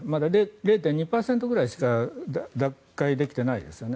０．２％ぐらいしか奪回できていないですよね。